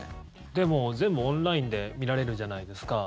でも、全部オンラインで見られるじゃないですか。